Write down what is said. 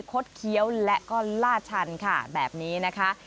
ดเคี้ยวและก็ล่าชันค่ะแบบนี้นะคะ